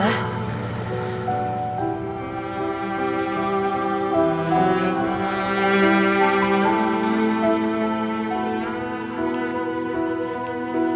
ayolah anyh optical dong